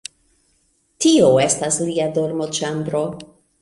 Tio estas lia dormoĉambro.